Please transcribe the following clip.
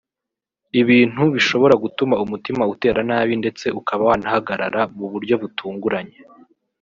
ibintu bishobora gutuma umutima utera nabi ndetse ukaba wanahagarara mu buryo butunguranye